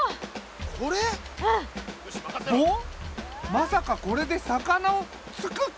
まさかこれで魚をつく気？